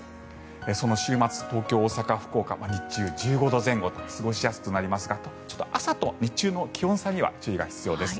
その週末、東京、大阪、福岡日中１５度前後と過ごしやすくなりますが朝と日中の気温差には注意が必要です。